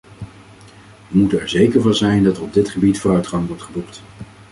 We moeten er zeker van zijn dat er op dit gebied vooruitgang wordt geboekt.